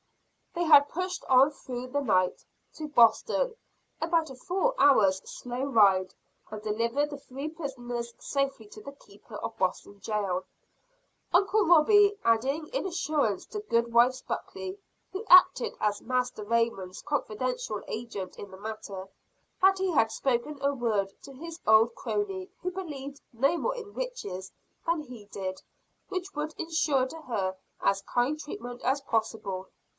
They had pushed on through the night to Boston about a four hours' slow ride and delivered the three prisoners safely to the keeper of Boston jail. Uncle Robie adding the assurance to Goodwife Buckley who acted as Master Raymond's confidential agent in the matter that he had spoken a word to his old crony who believed no more in witches than he did, which would insure to her as kind treatment as possible.